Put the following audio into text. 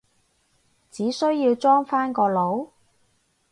只需要裝返個腦？